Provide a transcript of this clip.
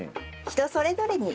人それぞれに。